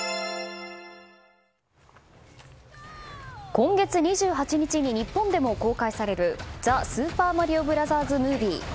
今月２８日に日本でも公開される「ザ・スーパーマリオブラザーズ・ムービー」。